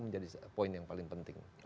menjadi poin yang paling penting